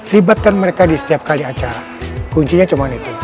libatkan mereka di setiap kali acara kuncinya cuma itu